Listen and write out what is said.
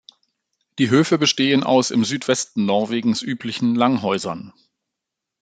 Die Höfe bestehen aus im Südwesten Norwegens üblichen Langhäusern.